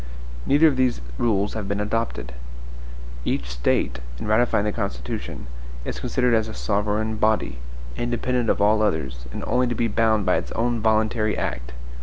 Neither of these rules have been adopted. Each State, in ratifying the Constitution, is considered as a sovereign body, independent of all others, and only to be bound by its own voluntary act.